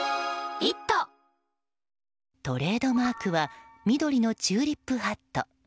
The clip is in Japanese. トレードマークは緑のチューリップハット。